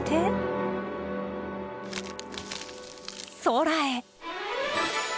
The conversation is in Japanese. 空へ。